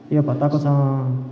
iya pak takut sama